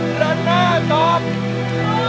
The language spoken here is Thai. ถูกถูกถูก